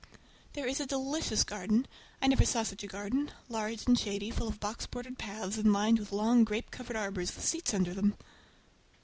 There is a delicious garden! I never saw such a garden—large and shady, full of box bordered paths, and lined with long grape covered arbors with seats under them.